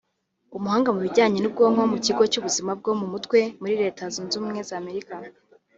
umuhanga mu bijyanye n’ubwonko mu kigo cy’ubuzima bwo mu mutwe muri Leta zunze ubumwe za Amerika